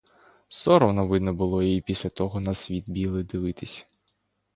Соромно, видно, було їй після того на світ білий дивитись.